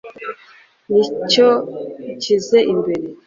ni nacyo nshyize imbere